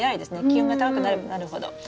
気温が高くなればなるほど。